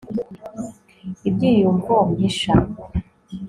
ibyiyumvo mpisha